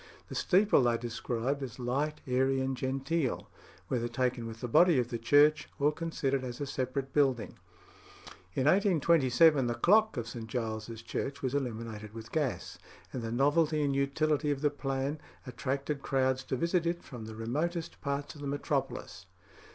The steeple they described as "light, airy, and genteel." whether taken with the body of the church or considered as a separate building. In 1827 the clock of St. Giles's Church was illuminated with gas, and the novelty and utility of the plan "attracted crowds to visit it from the remotest parts of the metropolis."